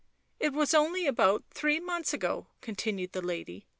'£ It was only about three months ago/' continued the lady.